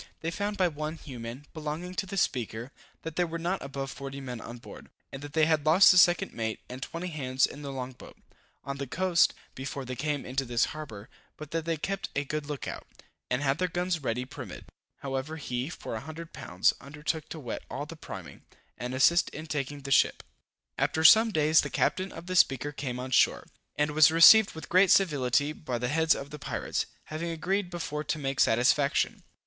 They found by one Hugh Man, belonging to the Speaker, that there were not above 40 men on board, and that they had lost the second mate and 20 hands in the long boat, on the coast, before they came into this harbor, but that they kept a good look out, and had their guns ready primed. However, he, for a hundred pounds, undertook to wet all the priming, and assist in taking the ship. After some days the captain of the Speaker came on shore, and was received with great civility by the heads of the pirates, having agreed before to make satisfaction.